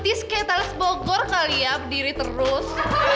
itu betis kayak talus bogor kali ya berdiri terus